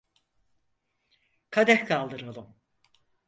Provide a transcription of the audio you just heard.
Kadeh kaldıralım.